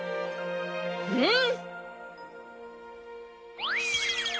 うん！